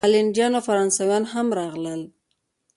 هالینډیان او فرانسویان هم راغلل.